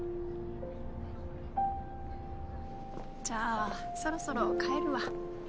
じゃあそろそろ帰るわ。